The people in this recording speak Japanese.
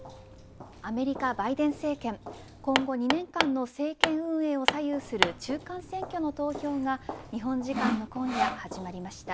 アメリカバイデン政権今後２年間の政権運営を左右する中間選挙の投票が日本時間の今夜始まりました。